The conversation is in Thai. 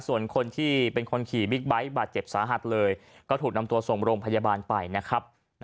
ส่วนคนที่เป็นคนขี่บิ๊กไบท์บาดเจ็บสาหัสเลยก็ถูกนำตัวส่งโรงพยาบาลไปนะครับ